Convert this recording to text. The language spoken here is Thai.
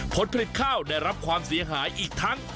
ผลผลิตข้าวได้รับความเสียหายอีกทั้ง